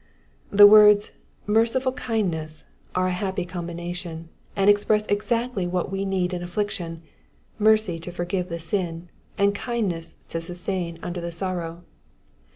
The words merciful kindness," are a happy combination, and express exactly what we need in affliction : mercy to forgive the sm, and kinaness to sustain under the sorrow.